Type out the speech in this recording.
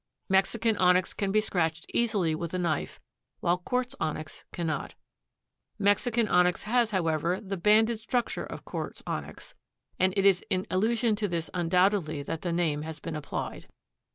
Mexican onyx can be scratched easily with a knife while quartz onyx cannot. Mexican onyx has, however, the banded structure of quartz onyx and it is in allusion to this undoubtedly that the name has been applied.